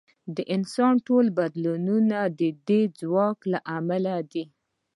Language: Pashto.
د انسان ټول بدلونونه د دې ځواک له امله دي.